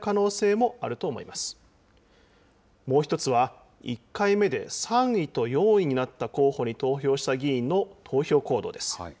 もう一つは、１回目で３位と４位になった候補に投票した議員の投票行動です。